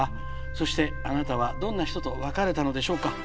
そしてあなたはどんな人と別れたのでしょうか。